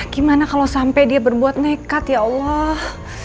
gimana kalau sampai dia berbuat nekat ya allah